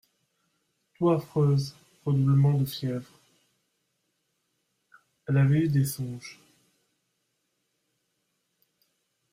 Toux affreuse, redoublement de fièvre ; elle avait eu des songes.